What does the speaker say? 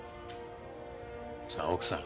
さあ奥さん